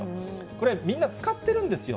これ、みんな使ってるんですよ。